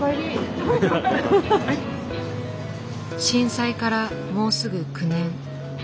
震災からもうすぐ９年。